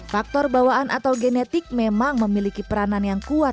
faktor bawaan atau genetik memang memiliki peranan yang kuat